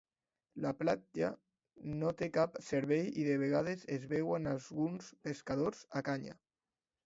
La platja no té cap servei i de vegades es veuen alguns pescadors a canya.